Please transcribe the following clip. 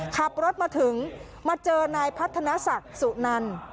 ขับรถมาถึงมาเจอนายพัฒนศักดิ์สุนัน